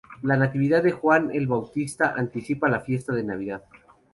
La Natividad de Juan el Bautista anticipa la fiesta de Navidad.